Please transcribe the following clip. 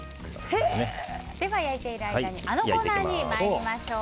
焼いている間にあのコーナーに参りましょう。